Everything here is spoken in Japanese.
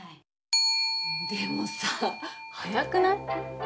でもさ早くない？